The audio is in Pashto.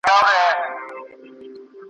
نه په بګړۍ نه په تسپو نه په وینا سمېږي ,